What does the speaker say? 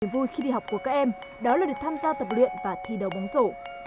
vui khi đi học của các em đó là được tham gia tập luyện và thi đấu bóng rổ